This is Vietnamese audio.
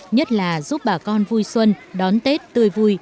nhất là giúp bà con vui xuân đón tết tươi vui